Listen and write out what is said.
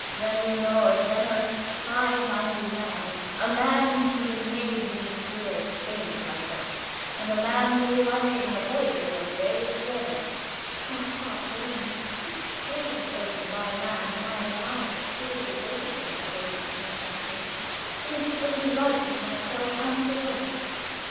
"Then you know a generous, high minded man a man who has made me feel ashamed of myself and a man to whom I made an apology the other day with pleasure." My heart warmed. This praise of Eugen by a man whom I admired so devotedly as I did Max von Francius seemed to put me right with myself and the world.